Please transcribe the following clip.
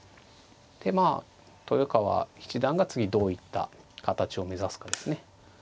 でまあ豊川七段が次どういった形を目指すかですね。